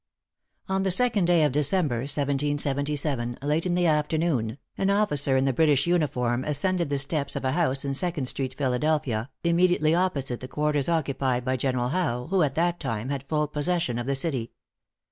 |On the second day of December, 1777, late in the afternoon, an officer in the British uniform ascended the steps of a house in Second street, Philadelphia, immediately opposite the quarters occupied by General Howe, who, at that time, had full possession of the city.